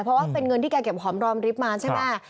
เพราะว่าเป็นเงินที่แกเก็บหอมรอมริบมาใช่ไหม